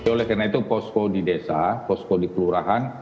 oleh karena itu posko di desa posko di kelurahan